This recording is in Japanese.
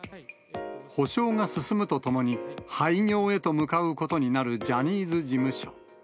補償が進むとともに、廃業へと向かうことになるジャニーズ事務所。